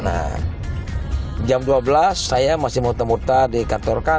nah jam dua belas saya masih muntah muntah di kantor kan